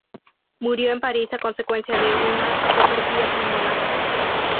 Murió en París a consecuencia de una apoplejía pulmonar.